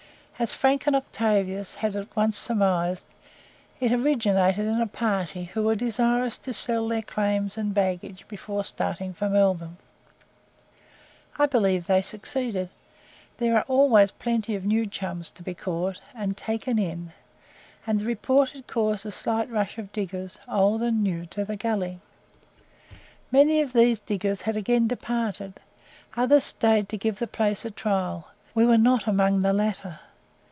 As Frank and Octavius had at once surmised, it originated in a party who were desirous to sell their claims and baggage before starting for Melbourne. I believe they succeeded there are always plenty of "new chums" to be caught and taken in and the report had caused a slight rush of diggers, old and new, to the gully. Many of these diggers had again departed, others stayed to give the place a trial; we were not among the latter.